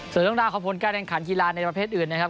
สวัสดีครับขอบคุณการแรงขันกีฬาในประเภทอื่นนะครับ